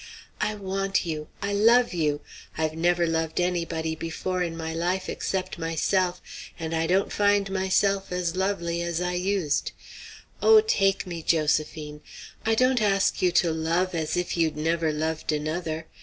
I want you! I love you! I've never loved anybody before in my life except myself, and I don't find myself as lovely as I used. Oh, take me, Josephine! I don't ask you to love as if you'd never loved another.